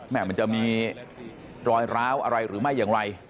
มันจะมีรอยร้าวอะไรหรือไม่อย่างไร